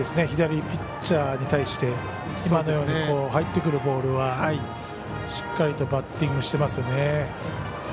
左ピッチャーに対して今のように入ってくるボールはしっかりとバッティングしてますよね。